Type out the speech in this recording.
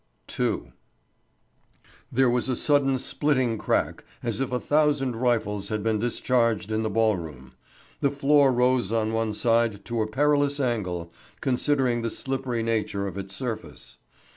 II. There was a sudden splitting crack as if a thousand rifles had been discharged in the ballroom. The floor rose on one side to a perilous angle, considering the slippery nature of its surface.